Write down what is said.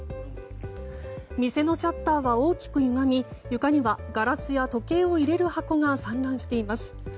店のシャッターは大きくゆがみ床にはガラスや時計を入れる箱が散乱しています。